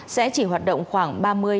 sẽ chỉ hoạt động khoảng ba mươi bốn mươi